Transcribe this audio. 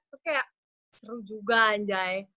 itu kayak seru juga anjay